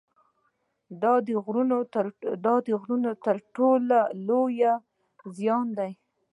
دا د غرور تر ټولو یو لوی زیان دی